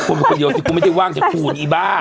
คูณไปเดี๋ยวสิกูไม่ได้ว่างจะคูณอีบ้า